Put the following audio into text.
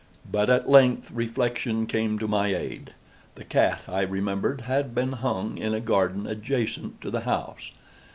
But at length reflection came to my aid. The cat, I remembered, had been hung in a garden adjacent to the house.